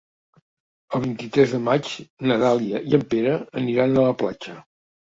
El vint-i-tres de maig na Dàlia i en Pere aniran a la platja.